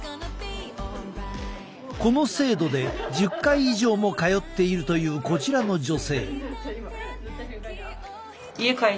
この制度で１０回以上も通っているというこちらの女性。